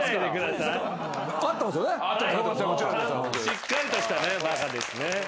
しっかりとした「馬鹿」ですね。